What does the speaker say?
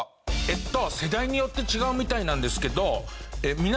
えっと世代によって違うみたいなんですけど。